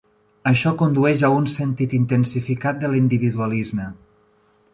Això condueix a un sentit intensificat de l'individualisme.